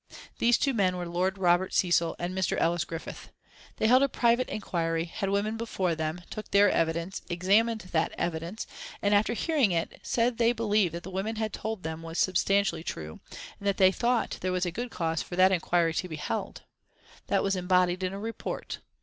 These two men were Lord Robert Cecil and Mr. Ellis Griffith. They held a private inquiry, had women before them, took their evidence, examined that evidence, and after hearing it said that they believed what the women had told them was substantially true, and that they thought there was good cause for that inquiry to be held. That was embodied in a report.